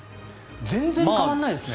全然変わらないですね。